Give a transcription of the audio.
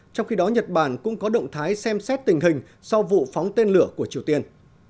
trong khi đó nhật bản cũng có động thái xem xét tình hình sau vụ phóng tên lửa của triều tiên